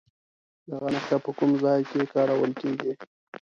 دغه نښه په کوم ځای کې کارول کیږي؟